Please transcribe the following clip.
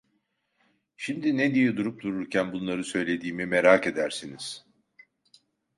Şimdi ne diye durup dururken bunları söylediğimi merak edersiniz…